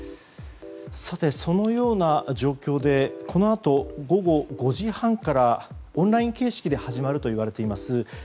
そのような状況でこのあと午後５時半からオンライン形式で始まるといわれています